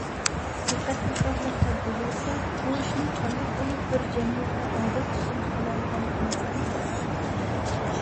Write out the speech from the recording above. دىققەت تارتارلىق تەرىپى بولسا، بۇ ئىشنىڭ قانداق بولۇپ بىر جەمئىيەتتە ئادەت تۈسىنى ئالالىغانلىق مەسىلىسىدۇر.